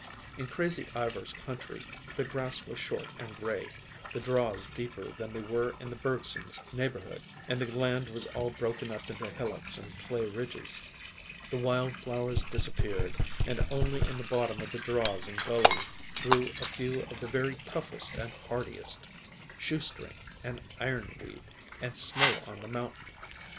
In Crazy Ivar's country the grass was short and gray, the draws deeper than they were in the Bergsons' neighborhood, and the land was all broken up into hillocks and clay ridges. The wild flowers disappeared, and only in the bottom of the draws and gullies grew a few of the very toughest and hardiest: shoestring, and ironweed, and snow on the mountain.